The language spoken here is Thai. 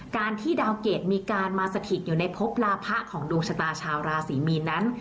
การที่ดาวเกรดมีการมาสถิตอยู่ในพบลาพะของดวงชะตาชาวราศรีมีนนั้น